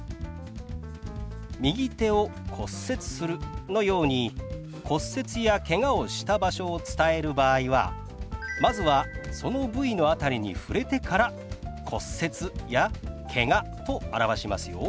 「右手を骨折する」のように骨折やけがをした場所を伝える場合はまずはその部位の辺りに触れてから「骨折」や「けが」と表しますよ。